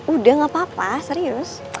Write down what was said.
udah gak apa apa serius